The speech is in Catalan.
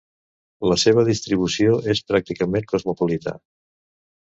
La seva distribució és pràcticament cosmopolita.